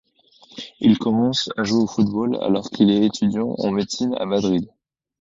Il commence à jouer au football alors qu'il est étudiant en médecine à Madrid.